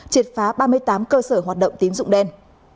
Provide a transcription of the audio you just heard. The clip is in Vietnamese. triệt phá ba mươi tám cơ sở hoạt động tín dụng đen